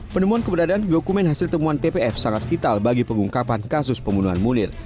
penemuan keberadaan dokumen hasil temuan tpf sangat vital bagi pengungkapan kasus pembunuhan munir